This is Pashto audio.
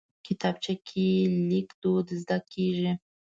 کتابچه کې لیک دود زده کېږي